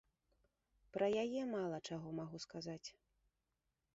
Пра яе мала чаго магу сказаць.